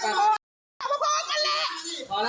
พอพอกันแหละ